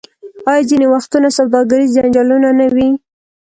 آیا ځینې وختونه سوداګریز جنجالونه نه وي؟